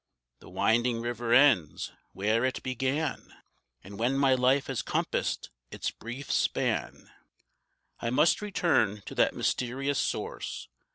The winding river ends where it began; And when my life has compassed its brief span I must return to that mysterious source.